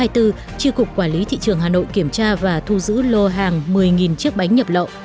tri cục quản lý thị trường hà nội kiểm tra và thu giữ lô hàng một mươi chiếc bánh nhập lậu